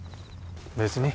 別に。